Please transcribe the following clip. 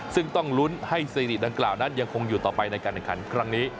ซึ่งต้องลุ้นให้ซีรีสดังกล่าวนั้นยังคงอยู่ต่อไปในการแข่งขันครั้งนี้